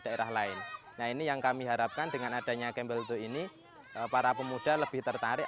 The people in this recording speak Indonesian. daerah lain nah ini yang kami harapkan dengan adanya gembel itu ini para pemuda lebih tertarik